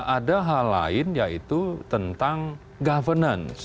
ada hal lain yaitu tentang governance